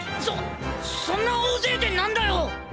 そそんな大勢で何だよ！